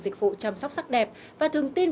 dịch vụ chăm sóc sắc đẹp và thường tin